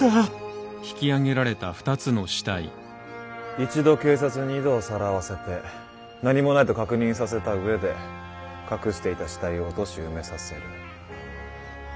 一度警察に井戸をさらわせて何もないと確認させた上で隠していた死体を落とし埋めさせる。